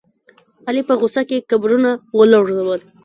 علي په غوسه کې قبرونه ولړزول.